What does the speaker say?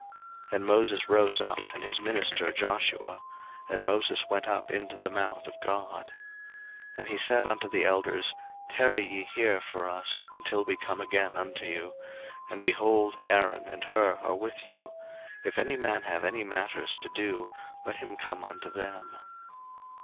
02:024:013 And Moses rose up, and his minister Joshua: and Moses went up into the mount of God. 02:024:014 And he said unto the elders, Tarry ye here for us, until we come again unto you: and, behold, Aaron and Hur are with you: if any man have any matters to do, let him come unto them.